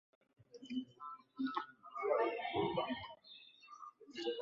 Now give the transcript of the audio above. Engadya kye ki era esangibwa wa?